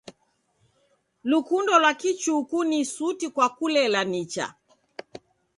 Lukundo lwa kichuku ni suti kwa kulela nicha.